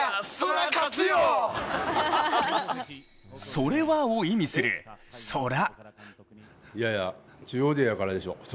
それはを意味する「そら」。